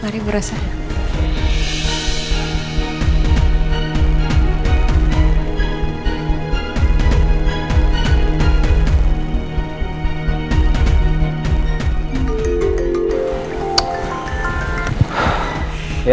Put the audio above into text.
mari berusaha ya